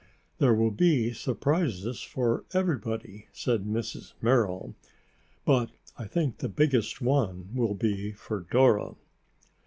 "There will be surprises for everybody," said Mrs. Merrill, "but I think the biggest one will be for Dora."